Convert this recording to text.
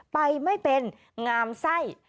ไปไม่เป็นงามไส้